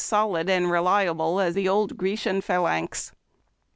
solid and reliable as the old Grecian Phalanx.